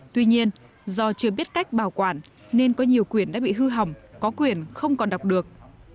tuy nhiên do chưa biết cách bảo quản nên có nhiều quyền đã bị hư hỏng có quyền không còn đọc được